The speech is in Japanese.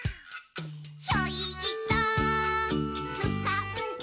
「ひょいっとつかんで」